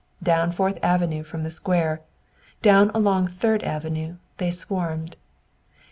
Down Fourth Avenue from the Square, down along Third Avenue, they swarmed.